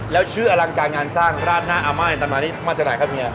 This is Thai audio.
แล้วชื่ออลังการงานสร้างราดหน้าอาม่ายตามมานี่มาจากไหนครับเมีย